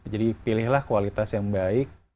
jadi pilihlah kualitas yang baik